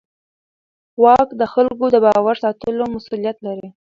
واک د خلکو د باور ساتلو مسوولیت لري.